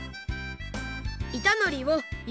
いたのりをよ